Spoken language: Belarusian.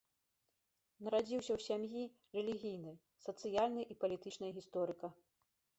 Нарадзіўся ў сям'і рэлігійнай, сацыяльнай і палітычнай гісторыка.